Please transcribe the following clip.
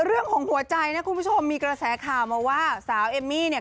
เรื่องของหัวใจนะคุณผู้ชมมีกระแสข่าวมาว่าสาวเอมมี่เนี่ย